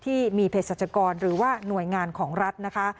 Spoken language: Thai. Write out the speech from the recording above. ที่มีเพศสัจกรหรือว่าหน่วยงานของรัฐนะคะ